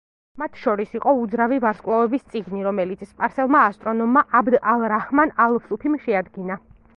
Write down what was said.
მათ შორის იყო „უძრავი ვარსკვლავების წიგნი“, რომელიც სპარსელმა ასტრონომმა აბდ ალ-რაჰმან ალ-სუფიმ შეადგინა.